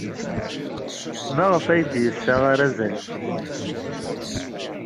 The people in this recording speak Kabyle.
Maɣef ay d-yesɣa arazal-nni?